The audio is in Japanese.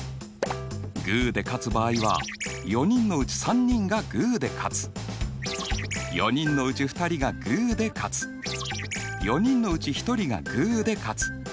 グーで勝つ場合は４人のうち３人がグーで勝つ４人のうち２人がグーで勝つ４人のうち１人がグーで勝つ